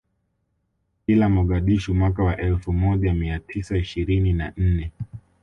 Ila Mogadishu mwaka wa elfu moja mia tisa ishirini na nne